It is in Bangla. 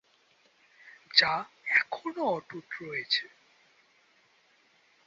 যা এখনও অটুট রয়েছে।